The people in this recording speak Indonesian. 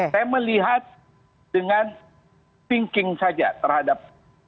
saya melihat dengan thinking saja terhadap